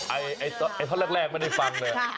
ไอ้พ่อแรกมันได้ฟังเนี่ย